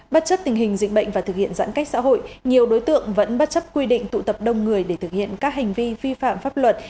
bất chấp tình hình dịch bệnh và thực hiện giãn cách xã hội nhiều đối tượng vẫn bất chấp quy định tụ tập đông người để thực hiện các hành vi vi phạm pháp luật